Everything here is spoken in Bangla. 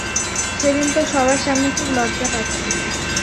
সেদিন তো সবার সামনে খুব লজ্জা পাচ্ছিলে।